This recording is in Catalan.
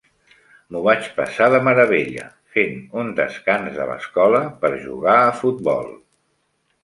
M'ho vaig passar de meravella fent un descans de l'escola per jugar a futbol.